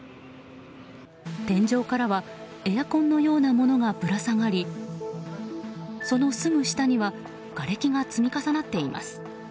天井からはエアコンのようなものがぶら下がりそのすぐ下にはがれきが積み重なっています。